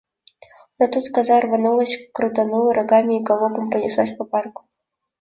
Но тут коза рванулась, крутанула рогами и галопом понеслась по парку.